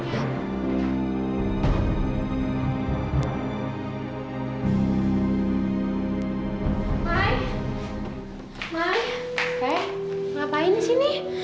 ngapain di sini